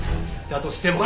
だとしても。